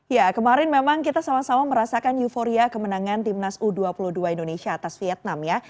ya kemarin memang kita sama sama merasakan euforia kemenangan timnas u dua puluh dua indonesia atas vietnam ya